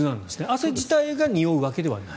汗自体がにおうわけではない。